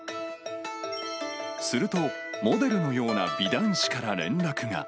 すると、モデルのような美男子から連絡が。